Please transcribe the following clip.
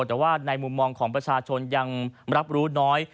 แต่ว่าในมุมมองของประชาชนยังรับรู้น้อย